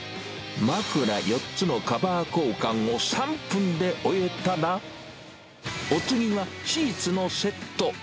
枕４つのカバー交換を３分で終えたら、お次はシーツのセット。